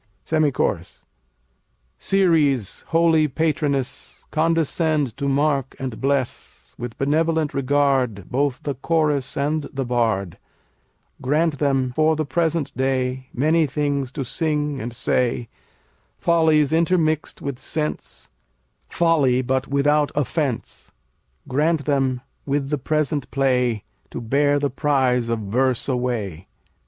SEMI CHORUS Ceres, holy patroness, Condescend to mark and bless, With benevolent regard, Both the Chorus and the Bard; Grant them for the present day Many things to sing and say, Follies intermixed with sense; Folly, but without offense. Grant them with the present play To bear the prize of verse away.